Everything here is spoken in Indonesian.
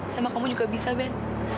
sama kamu juga bisa ben